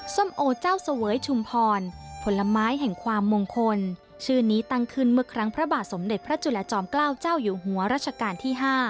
โอเจ้าเสวยชุมพรผลไม้แห่งความมงคลชื่อนี้ตั้งขึ้นเมื่อครั้งพระบาทสมเด็จพระจุลจอมเกล้าเจ้าอยู่หัวรัชกาลที่๕